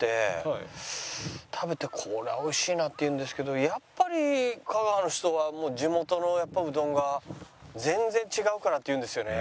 食べて「これは美味しいな」って言うんですけどやっぱり香川の人は地元のうどんが「全然違うから」って言うんですよね。